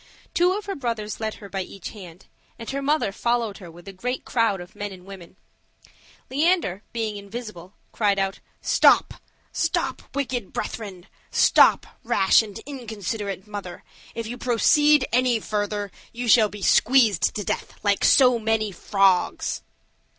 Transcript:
Two of her brothers led her by each hand, and her mother followed her with a great crowd of men and women. Leander, being invisible, cried out, "Stop, stop, wicked brethren: stop, rash and inconsiderate mother; if you proceed any further, you shall be squeezed to death like so many frogs."